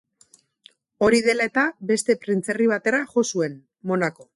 Hori dela eta beste printzerri batera jo zuen: Monako.